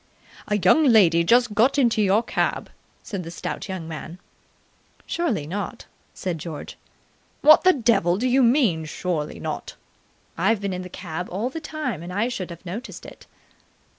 "A young lady just got into your cab," said the stout young man. "Surely not?" said George. "What the devil do you mean surely not?" "I've been in the cab all the time, and I should have noticed it."